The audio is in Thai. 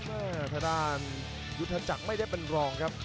ทางด้านยุทธจักรไม่ได้เป็นรองครับ